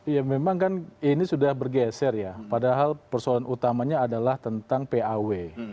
ya memang kan ini sudah bergeser ya padahal persoalan utamanya adalah tentang paw